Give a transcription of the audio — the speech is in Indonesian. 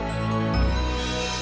ayam kita padi